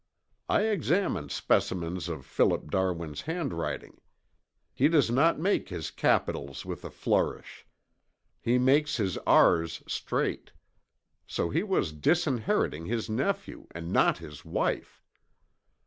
I examined specimens of Philip Darwin's handwriting. He does not make his capitals with a flourish. He makes his R's straight. So he was disinheriting his nephew and not his wife.